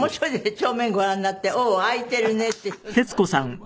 帳面ご覧になって「おお空いてるね」っていうのはね。